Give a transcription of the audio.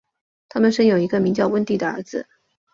他们生有一个名叫温蒂的儿子。